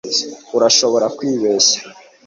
Urashobora kwibeshya